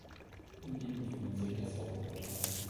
In ihm befindet sich das Hauptportal.